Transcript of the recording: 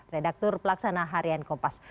redaktur pelaksana harian kompas